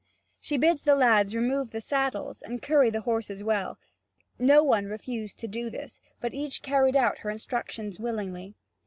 She bids the lads remove the saddles and curry the horses well; no one refused to do this, but each carried out her instructions willingly.